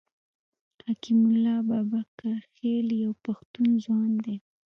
حکیم الله بابکرخېل یو پښتون ځوان دی.